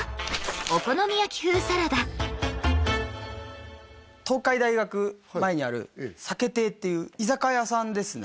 お好み焼き風サラダ東海大学前にある「酒庭」っていう居酒屋さんですね